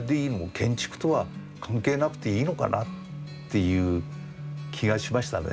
建築とは関係なくていいのかな？っていう気がしましたね